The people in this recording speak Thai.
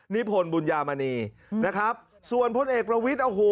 นิพนธ์บุญญามานีนะครับส่วนพุทธเอกลวิทย์โอ้โห